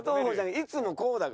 いつもこうだから。